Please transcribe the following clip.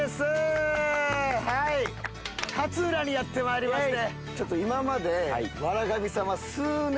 勝浦にやってまいりまして。